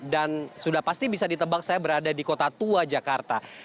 dan sudah pasti bisa ditebak saya berada di kota tua jakarta